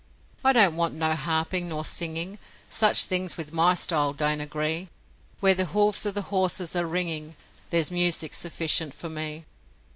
I don't want no harping nor singing Such things with my style don't agree; Where the hoofs of the horses are ringing There's music sufficient for me.